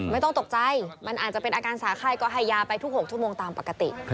ไม่ต้องตกใจมันอาจจะเป็นอาการสาไข้ก็ให้ยาไปทุก๖ชั่วโมงตามปกติ